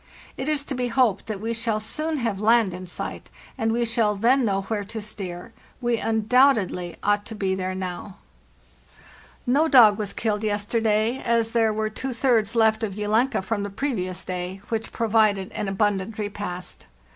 It is to be hoped that we shall soon have land in sight, and we shall then know where to steer. We undoubtedly ought to be there now. A HARD STRUGGLE 201 "No dog was killed yesterday, as there were two thirds left of 'Ulenka' from the previous day, which provided an abundant repast.